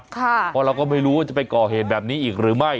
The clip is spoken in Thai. เพราะเราก็ไม่รู้ว่าจะไปก่อเหตุแบบนี้อีกหรือไม่